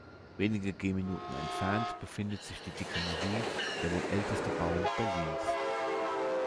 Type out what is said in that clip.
Wenige Gehminuten entfernt befindet sich die „Dicke Marie“, der wohl älteste Baum Berlins.